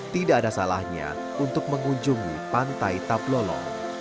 tidak ada salahnya untuk mengunjungi pantai taplolo